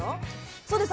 そうです。